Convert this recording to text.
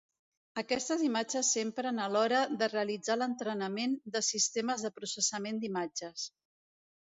Aquestes imatges s'empren a l'hora de realitzar l'entrenament de sistemes de processament d'imatges.